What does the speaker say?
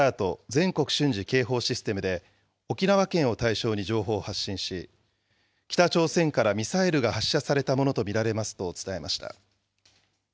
・全国瞬時警報システムで沖縄県を対象に情報を発信し、北朝鮮からミサイルが発射されたものと見られますと伝えました。